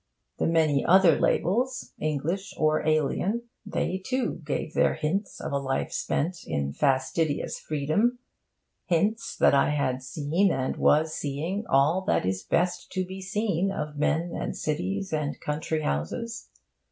The many other labels, English or alien, they, too, gave their hints of a life spent in fastidious freedom, hints that I had seen and was seeing all that is best to be seen of men and cities and country houses.